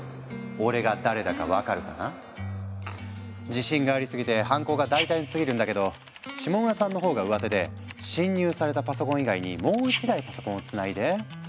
自信がありすぎて犯行が大胆すぎるんだけど下村さんの方がうわてで侵入されたパソコン以外にもう一台パソコンをつないで。